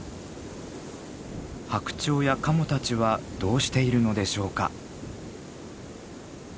ハクチョウやカモたちはどうしているのでしょうか？